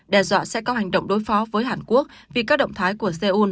đe dọa sẽ có hành động đối phó với hàn quốc vì các động thái của seoul